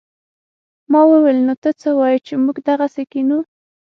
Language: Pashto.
ما وويل نو ته څه وايې چې موږ دغسې کښينو.